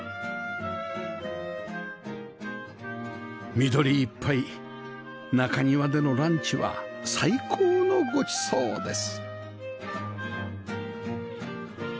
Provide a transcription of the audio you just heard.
緑いっぱい中庭でのランチは最高のごちそうです